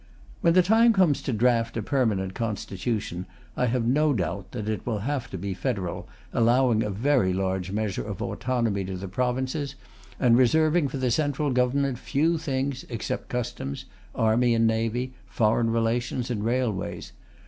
When the time comes to draft a permanent Constitution, I have no doubt that it will have to be federal, allowing a very large measure of autonomy to the provinces, and reserving for the Central Government few things except customs, army and navy, foreign relations and railways.